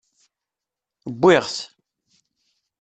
Wwiɣ-t.